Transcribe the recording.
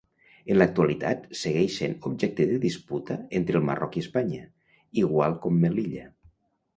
En l'actualitat segueix sent objecte de disputa entre el Marroc i Espanya, igual com Melilla.